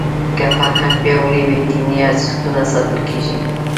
که فرهنګ پیاوړی وي دیني ارزښتونه ساتل کېږي.